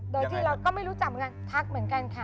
โดยที่เราก็ไม่รู้จักเหมือนกันทักเหมือนกันค่ะ